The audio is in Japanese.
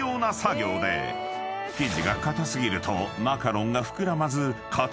［生地が硬過ぎるとマカロンが膨らまず硬い食感に］